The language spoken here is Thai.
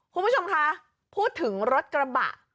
คุณผู้ชมคะพูดถึงรถกระบะ